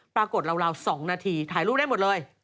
ปรากฏราว๒นาทีถ่ายรูปได้หมดเลย